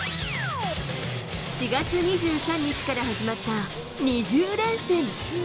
４月２３日から始まった２０連戦。